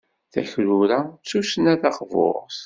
Takrura d tussna taqburt.